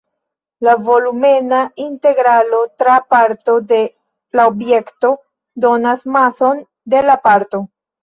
La volumena integralo tra parto de la objekto donas mason de la parto.